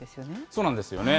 そうなんですよね。